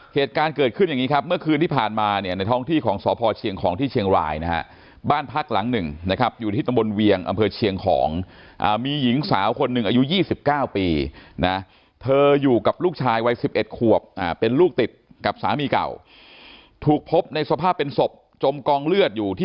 เหตุการณ์เกิดขึ้นอย่างนี้ครับเมื่อคืนที่ผ่านมาเนี่ยในท้องที่ของสพเชียงของที่เชียงรายนะฮะบ้านพักหลังหนึ่งนะครับอยู่ที่ตำบลเวียงอำเภอเชียงของมีหญิงสาวคนหนึ่งอายุ๒๙ปีนะเธออยู่กับลูกชายวัย๑๑ขวบเป็นลูกติดกับสามีเก่าถูกพบในสภาพเป็นศพจมกองเลือดอยู่ที่